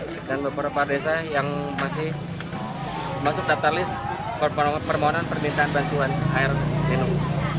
dan beberapa desa yang masih masuk daftar list permohonan permintaan bantuan air minum